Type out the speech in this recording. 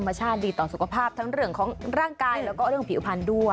ชาติดีต่อสุขภาพทั้งเรื่องของร่างกายแล้วก็เรื่องผิวพันธุ์ด้วย